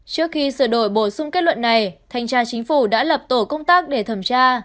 trước khi sửa đổi bổ sung kết luận này thanh tra chính phủ đã lập tổ công tác để thẩm tra